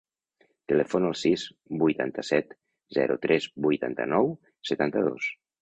Telefona al sis, vuitanta-set, zero, tres, vuitanta-nou, setanta-dos.